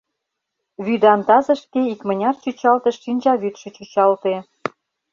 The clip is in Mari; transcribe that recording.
Вӱдан тазышке икмыняр чӱчалтыш шинчавӱдшӧ чӱчалте.